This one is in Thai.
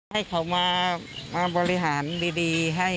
ให้เขามาบริหารดีให้